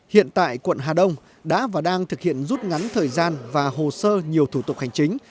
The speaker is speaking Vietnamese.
hiện tại quận hà đông đã và đang thực hiện rút ngắn thời gian và hồ sơ nhiều thủ tục hành chính